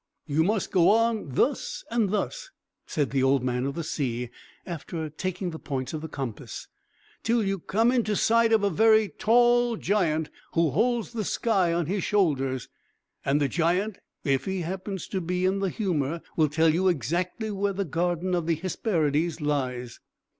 "You must go on, thus and thus," said the Old Man of the Sea, after taking the points of the compass, "till you come in sight of a very tall giant, who holds the sky on his shoulders. And the giant, if he happens to be in the humour, will tell you exactly where the garden of the Hesperides lies."